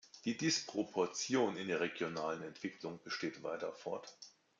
Die Disproportionen in der regionalen Entwicklung bestehen weiter fort.